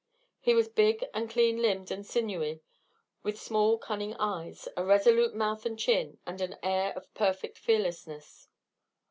He was big and clean limbed and sinewy, with small cunning eyes, a resolute mouth and chin, and an air of perfect fearlessness.